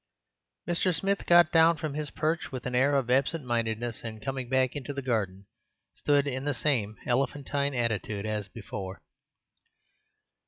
Mr. Smith got down from his perch with an air of absent mindedness, and coming back into the garden stood in the same elephantine attitude as before.